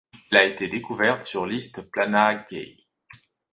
Elle a été découverte sur East Plana Cay.